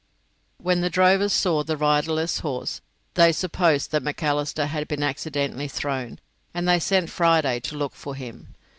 When the drovers saw the riderless horse, they supposed that Macalister had been accidentally thrown, and they sent Friday to look for him.